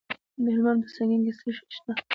د هلمند په سنګین کې څه شی شته؟